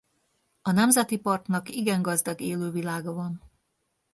A nemzeti parknak igen gazdag élővilága van.